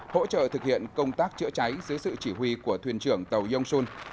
hỗ trợ thực hiện công tác chữa cháy dưới sự chỉ huy của thuyền trưởng tàu yong sun